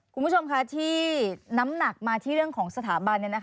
คุณผู้ชมคะที่น้ำหนักมาที่เรื่องของสถาบัน